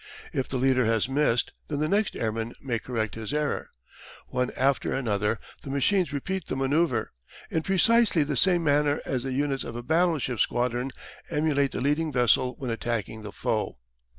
If the leader has missed then the next airman may correct his error. One after another the machines repeat the manoeuvre, in precisely the same manner as the units of a battleship squadron emulate the leading vessel when attacking the foe.